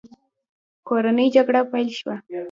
کورنۍ جګړه پیل شوه.